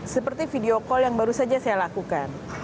seperti video call yang baru saja saya lakukan